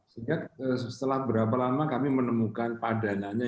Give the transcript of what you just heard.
sehingga setelah berapa lama kami menemukan padanannya